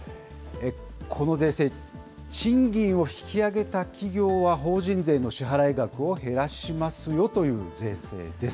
この税制、賃金を引き上げた企業は、法人税の支払い額を減らしますよという税制です。